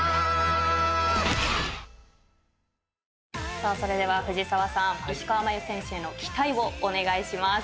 さあそれでは藤澤さん石川真佑選手への期待をお願いします。